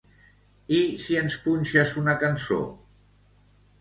I si ens punxes una cançó?